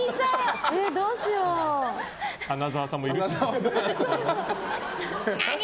花澤さんもいるし。